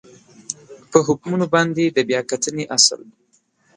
په حکمونو باندې د بیا کتنې اصل